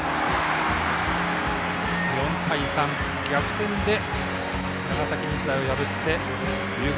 ４対３、逆転で長崎日大を破って龍谷